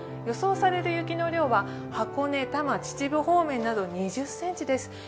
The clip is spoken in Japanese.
予想される雪の量は箱根、多摩、秩父方面など２０ｃｍです。